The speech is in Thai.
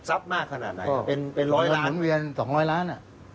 ทรัพย์มากขนาดไหนเป็นเป็นร้อยล้านหมุนเวียนสองร้อยล้านอ่ะ